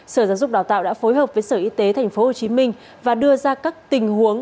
sở giáo dục đào tạo đã phối hợp với sở y tế tp hcm và đưa ra các tình huống